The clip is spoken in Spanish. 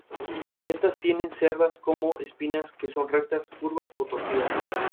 Durante su carrera política, ocupó numerosos cargos.